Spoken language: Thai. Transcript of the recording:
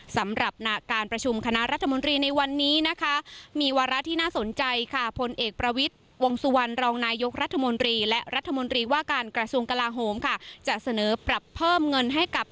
ซ้ำนาประชุมคณะรัฐมนตรีในวันนี้มีวาร้าที่น่าสนใจ